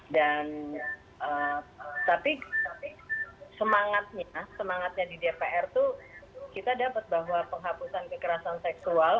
dan tapi semangatnya semangatnya di dpr itu kita dapat bahwa penghapusan kekerasan seksual